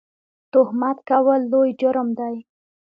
تهمت کول لوی جرم دی